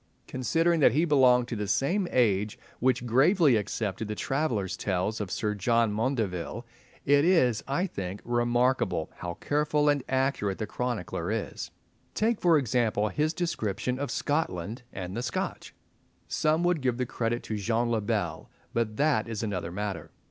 Considering that he belonged to the same age which gravely accepted the travellers' tales of Sir John Maundeville, it is, I think, remarkable how careful and accurate the chronicler is. Take, for example, his description of Scotland and the Scotch. Some would give the credit to Jean le Bel, but that is another matter.